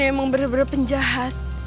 degonya emang bener bener penjahat